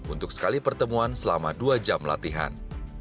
untuk sekali pertemuan selama dua jam latihan